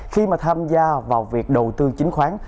khi mà tham gia vào việc đầu tư chính khoán